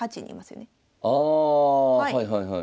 ああはいはいはい。